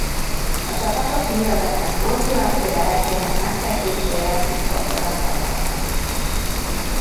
A csapatok mindezeken túl különféle rejtvények megfejtéséért is pontokat kaphatnak.